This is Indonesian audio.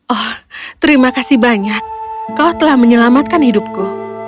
oh terima kasih banyak kau telah menyelamatkan hidupku